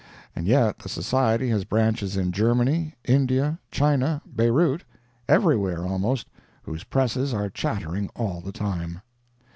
And yet the Society has branches in Germany, India, China, Beirout—everywhere, almost—whose presses are chattering all the time.